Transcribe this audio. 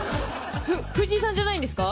藤井さんじゃないんですか？